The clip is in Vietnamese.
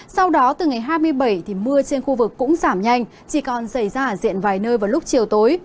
sau đó từ ngày hai mươi bảy thì mưa trên khu vực cũng giảm nhanh chỉ còn xảy ra ở diện vài nơi vào lúc chiều tối